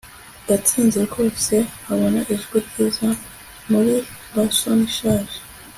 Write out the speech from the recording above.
gatsinzi rwose abona ijwi ryiza muri bassoon ishaje